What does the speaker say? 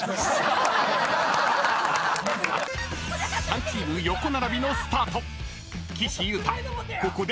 ［３チーム横並びのスタート］